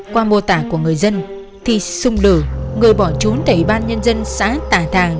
qua mô tả của người dân thì xung lửa người bỏ trốn tại ban nhân dân xã tà thàng